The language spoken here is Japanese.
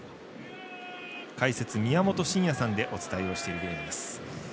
解説、宮本慎也さんでお伝えをしているゲームです。